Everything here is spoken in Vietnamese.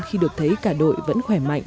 khi được thấy cả đội vẫn khỏe mạnh